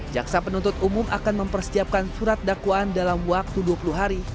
jaksa penuntut umum akan mempersiapkan surat dakwaan dalam waktu dua puluh hari